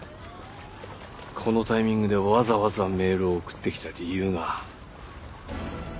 このタイミングでわざわざメールを送ってきた理由が。